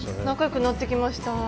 仲よくなってきました。